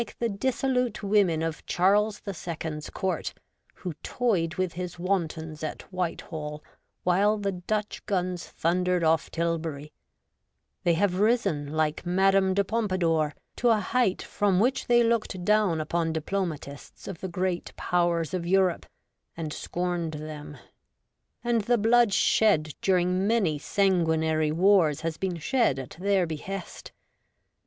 7 the dissolute women of Charles the Second's court, who toyed with his wantons at White hall while the Dutch guns thundered off Tilbury ; they have risen, like Madame de Pompadour, to a height from which they looked down upon diplomatists of the Great Powers of Europe — and scorned them; and the blood shed during many sanguinary wars has been shed at their behest.